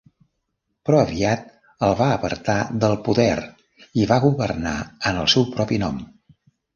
Però aviat el va apartar del poder i va governar en el seu propi nom.